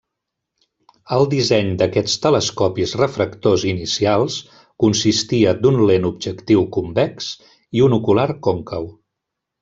El disseny d'aquests telescopis refractors inicials consistia d'un lent objectiu convex i un ocular còncau.